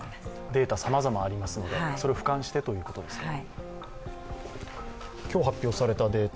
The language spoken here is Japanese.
データはさまざまありますので、それをふかんしてということですね。